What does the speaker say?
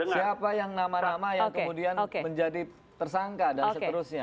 siapa yang nama nama yang kemudian menjadi tersangka dan seterusnya